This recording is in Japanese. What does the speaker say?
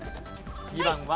２番は。